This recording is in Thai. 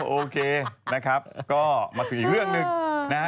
โอเคนะครับก็มาถึงเรื่องหนึ่ง